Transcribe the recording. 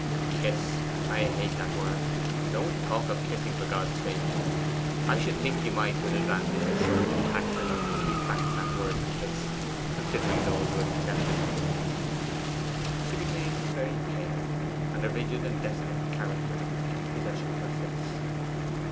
'Kiss! I hate that word! Don't talk of kissing, for God's sake! I should think you might with advantage have shown tact enough to keep back that word "kiss," considering those you have accepted.' She became very pale, and a rigid and desolate charactery took possession of her face.